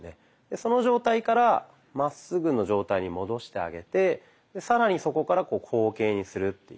その状態からまっすぐの状態に戻してあげて更にそこから後傾にするっていう。